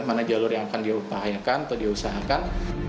mana jalur yang akan diupayakan atau diusahakan